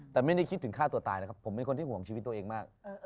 แต่ไม่ได้คิดถึงฆ่าตัวตายนะครับผมเป็นคนที่ห่วงชีวิตตัวเองมาก